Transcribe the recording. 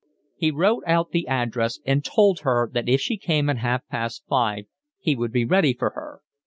He wrote out the address and told her that if she came at half past five he would be ready for her.